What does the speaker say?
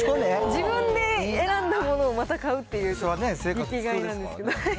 自分で選んだものをまた買うっていう、生きがいなんですよ。